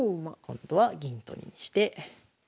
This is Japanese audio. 今度は銀取りにして。